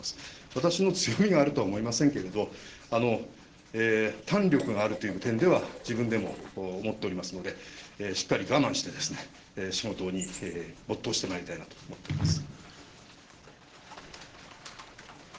私の強みがあると思いませんけれども、胆力があるという点では、自分でも思っておりますので、しっかり我慢して、仕事に没頭してまいりたいなと思っております。